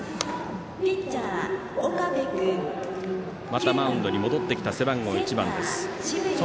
またマウンドに戻ってきた背番号１番です。